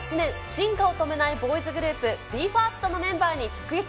進化を止めないボーイズグループ、ＢＥ：ＦＩＲＳＴのメンバーに直撃。